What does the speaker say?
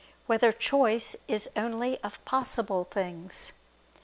5] Whether Choice Is Only of Possible Things?